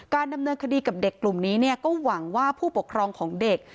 ดำเนินคดีกับเด็กกลุ่มนี้เนี่ยก็หวังว่าผู้ปกครองของเด็ก